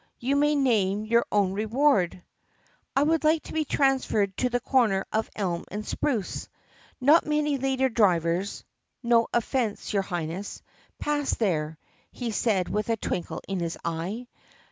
You may name your own reward." "I 'd like to be transferred to the corner of Elm and Spruce. Not many lady drivers (no offense, your Highness) pass there," he said with a twinkle in his eye.